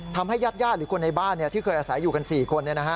ทำให้ญาติหรือคนในบ้านที่เคยอาศัยอยู่กัน๔คน